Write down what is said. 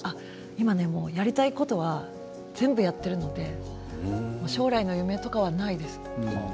今やりたいことは全部やっているので将来に夢とかはないです。